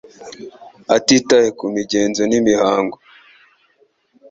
Atitaye ku migenzo n'imihango,